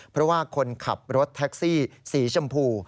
เพราะว่าคนขับรถแท็กซี่สีชมพู